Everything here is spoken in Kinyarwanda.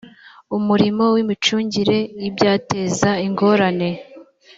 umurimo w imicungire y ibyateza ingorane